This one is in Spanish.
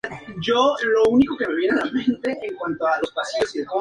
Inclusive Zinedine Zidane lo elogió durante una visita a Uruguay.